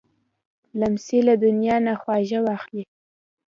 لمسی له نیا نه خواږه واخلې.